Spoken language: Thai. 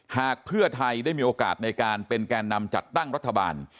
หากเพื่อไทยได้มีโอกาสในการเป็นแก่นำจัดตั้งรัฐบาล